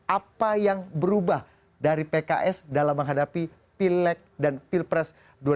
apa yang berubah dari pks dalam menghadapi pilek dan pilpres dua ribu sembilan belas